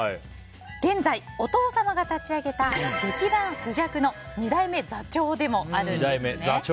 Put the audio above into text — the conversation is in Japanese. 現在、お父様が立ち上げた劇団朱雀の２代目座長でもあるんですね。